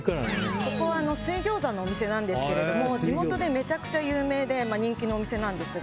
ここ水餃子のお店なんですけれども地元でめちゃくちゃ有名で人気のお店なんですが。